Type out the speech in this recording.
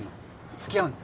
付き合うの？